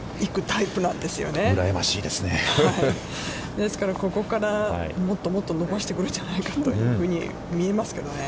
ですから、ここからもっともっと伸ばしてくるんじゃないかというふうに見えますけどね。